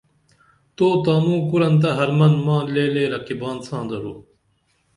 تو تانوں کُرنتہ حرمن ماں لے لے رقِبان ساں درو